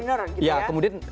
untuk entrepreneur gitu ya